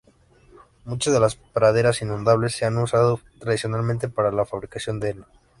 Muchas de las praderas inundables se han usado tradicionalmente para la fabricación de heno.